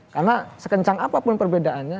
karena sekencang apapun perbedaannya